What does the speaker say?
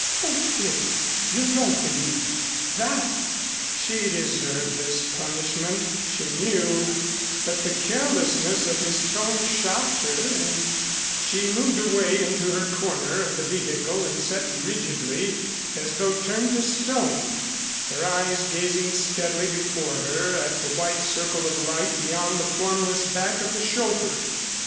"Oh, Phil, you don't believe that!" She deserved this punishment, she knew, but the carelessness of his tone shocked her and she moved away into her corner of the vehicle and sat rigidly as though turned to stone, her eyes gazing steadily before her at the white circle of light beyond the formless back of the chauffeur.